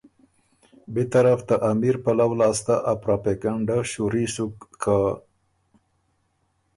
بی طرف ته امیر پلؤ لاسته آ پروپېګنډه شُوري سُک که